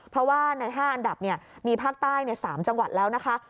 เพราะว่าใน๕อันดับมีภาคใต้๓จังหวัดแล้วนะคะ